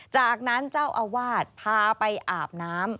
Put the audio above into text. จากนั้นเจ้าอาวาสพาไปอาบน้ำ